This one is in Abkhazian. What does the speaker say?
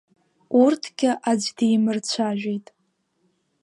Урҭгьы аӡә димырцәажәеит.